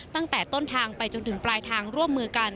ตั้งแต่ต้นทางไปจนถึงปลายทางร่วมมือกัน